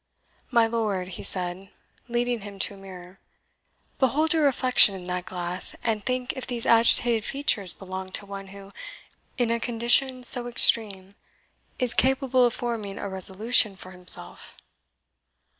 "My lord," he said, leading him to a mirror, "behold your reflection in that glass, and think if these agitated features belong to one who, in a condition so extreme, is capable of forming a resolution for himself."